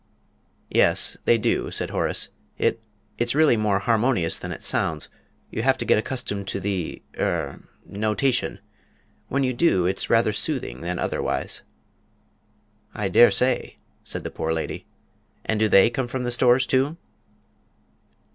"Yes, they do," said Horace; "it it's really more harmonious than it sounds you have to get accustomed to the er notation. When you do, it's rather soothing than otherwise." "I dare say," said the poor lady. "And do they come from the Stores, too?"